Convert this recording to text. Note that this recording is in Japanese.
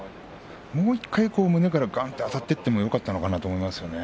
もう１回胸からがーんとあたっていってもよかったと思うんですね。